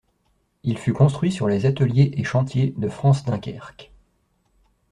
Il fut construit sur les Ateliers et Chantiers de France-Dunkerque.